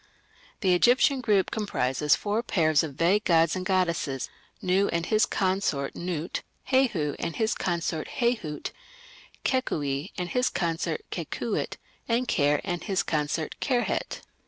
The Egyptian group comprises four pairs of vague gods and goddesses Nu and his consort Nut, Hehu and his consort Hehut, Kekui and his consort Kekuit, and Kerh and his consort Kerhet.